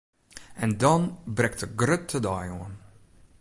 En dan brekt de grutte dei oan!